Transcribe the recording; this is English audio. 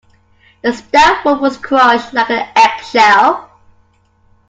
The stout wood was crushed like an eggshell.